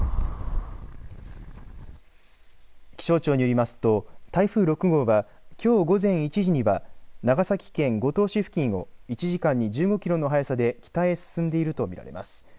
気象庁によりますと台風６号はきょう午前１時には長崎県五島市付近を１時間に１５キロの速さで北へ進んでいると見られます。